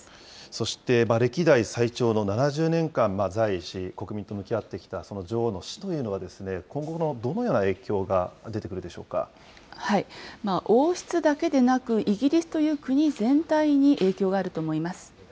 そして歴代最長の７０年間、在位し、国民と向き合ってきた、その女王の死というのは、今後、どのような影響が出てくるでしょ王室だけでなく、イギリスという国全体に影響があると思います。